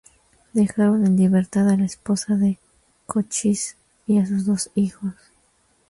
Dejaron en libertad a la esposa de Cochise y a sus dos hijos.